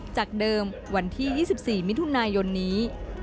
จากเดิมวันที่๒๔มิถุนายนนี้